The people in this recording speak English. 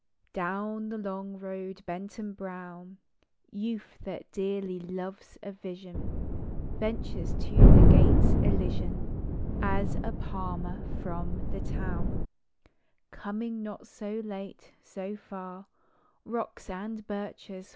DOWN the long road bent and brown, Youth, that dearly loves a vision, Ventures to the gates Elysian, As a palmer from the town, Coming not so late, so far, Rocks and birches!